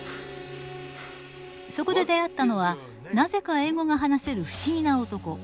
そこで出会ったのはなぜか英語が話せる不思議な男